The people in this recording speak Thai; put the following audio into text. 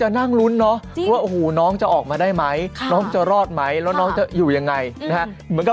ต้องแข็งแรกเนอะ